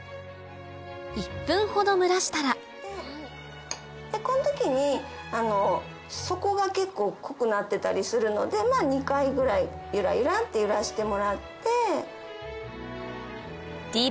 １分ほど蒸らしたらこの時に底が結構濃くなってたりするので２回ぐらいゆらゆらって揺らしてもらって。